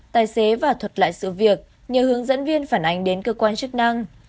tài xế và thuật lại sự việc nhờ hướng dẫn viên phản ánh đến cơ quan chức năng